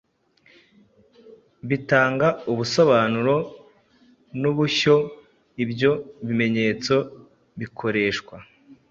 bitanga ubusobanuro n’uburyo ibyo bimenyetso bikoreshwa.